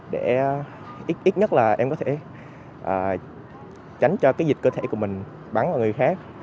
để ít nhất là em có thể tránh cho cái dịch cơ thể của mình bắn vào người khác